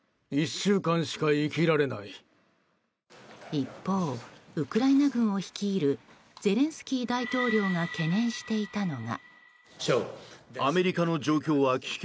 一方、ウクライナ軍を率いるゼレンスキー大統領が懸念していたのが。